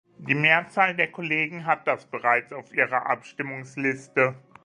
Die Mehrzahl der Kollegen hat das bereits auf ihrer Abstimmungsliste.